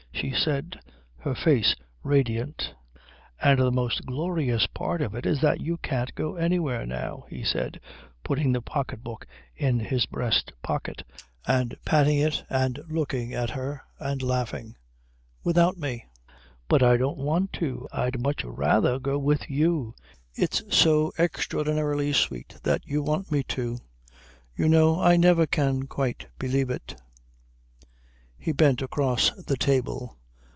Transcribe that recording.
she said, her face radiant. "Yes. And the most glorious part of it is that you can't go anywhere now," he said, putting the pocket book in his breast pocket and patting it and looking at her and laughing, "without me." "But I don't want to. I'd much rather go with you. It's so extraordinarily sweet that you want me to. You know, I never can quite believe it." He bent across the table.